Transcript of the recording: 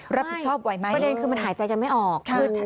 ประเด็นคือมันหายใจกันไม่ออก